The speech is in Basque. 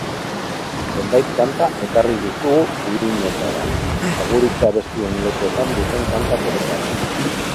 Zenbait kanta ekarri dizkigu uhinetara, agur hitza abestien letretan duten kantak ekarriz.